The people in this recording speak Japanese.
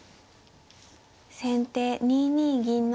先手２二銀成。